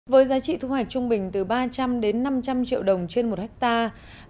với giá trị thu hoạch trung bình từ ba trăm linh đến năm trăm linh triệu đồng trên một hectare